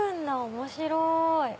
面白い。